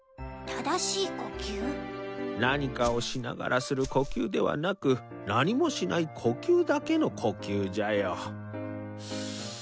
何かをしながらする呼吸ではなく何もしない呼吸だけの呼吸じゃよ。